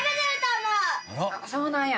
そうなんや！